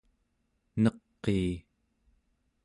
neqii